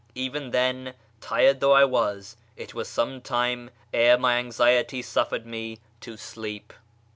Even then, tired though was, it was some while ere my anxiety suffered me to leep.